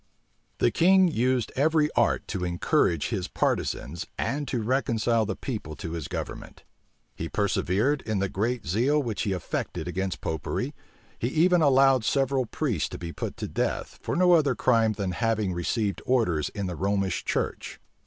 The king used every art to encourage his partisans, and to reconcile the people to his government. He persevered in the great zeal which he affected against Popery. He even allowed several priests to be put to death, for no other crime than their having received orders in the Romish church.